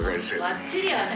ばっちりやね。